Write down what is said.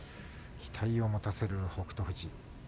期待を持たせる北勝富士。